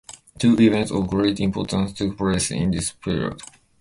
Two events of great importance took place in this period.